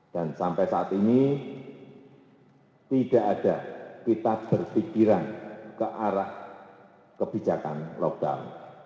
dan sampai saat ini tidak ada kita bersikiran ke arah kebijakan lockdown